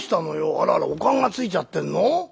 あららお燗がついちゃってんの？